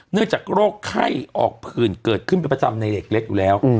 จากโรคไข้ออกผื่นเกิดขึ้นเป็นประจำในเด็กเล็กอยู่แล้ว